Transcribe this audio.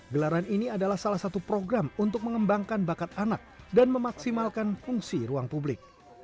gelaran ini adalah salah satu program untuk mengembangkan bakat anak dan memaksimalkan fungsi ruang publik